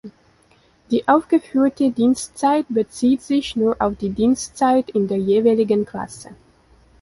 Die aufgeführte Dienstzeit bezieht sich nur auf die Dienstzeit in der jeweiligen Klasse.